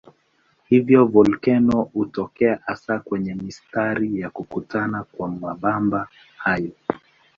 Hivyo volkeno hutokea hasa kwenye mistari ya kukutana kwa mabamba hayo.